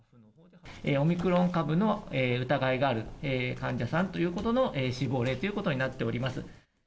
オミクロン株の疑いがある患者さんということの死亡例ということになっております。